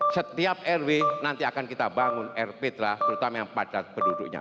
setiap rw nanti akan kita bangun rptra terutama yang padat penduduknya